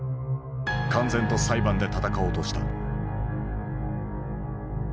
敢然と裁判で闘おうとした。